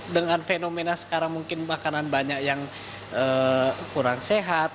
dengan fenomena sekarang mungkin makanan banyak yang kurang sehat